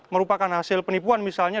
merupakan hasil penipuan misalnya